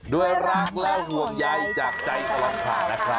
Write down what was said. ด้วยรักและห่วงใยจากใจตลอดภัณฑ์นะคะ